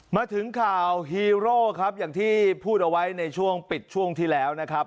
มาถึงข่าวฮีโร่ครับอย่างที่พูดเอาไว้ในช่วงปิดช่วงที่แล้วนะครับ